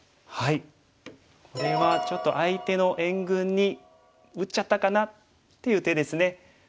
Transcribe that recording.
これはちょっと相手の援軍に打っちゃったかなっていう手ですね。